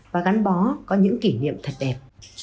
và gắn bó có những kỷ niệm thật đẹp